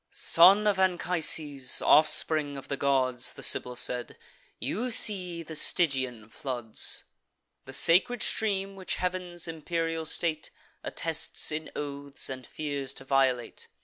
"Son of Anchises, offspring of the gods," The Sibyl said, "you see the Stygian floods, The sacred stream which heav'n's imperial state Attests in oaths, and fears to violate.